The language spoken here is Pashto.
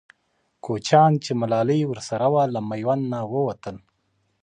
کوچیان چې ملالۍ ورسره وه، له میوند نه ووتل.